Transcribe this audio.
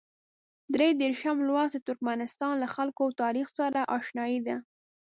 درې دېرشم لوست د ترکمنستان له خلکو او تاریخ سره اشنايي ده.